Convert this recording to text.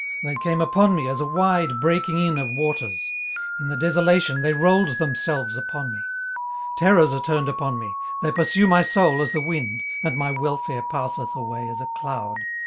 18:030:014 They came upon me as a wide breaking in of waters: in the desolation they rolled themselves upon me. 18:030:015 Terrors are turned upon me: they pursue my soul as the wind: and my welfare passeth away as a cloud.